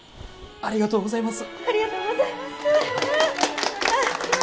ありがとうございます。